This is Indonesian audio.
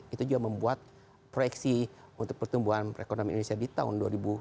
itu juga membuat proyeksi untuk pertumbuhan ekonomi indonesia di tahun dua ribu delapan belas dua ribu sembilan belas